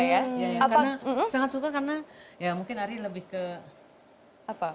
karena sangat suka karena ya mungkin ari lebih ke apa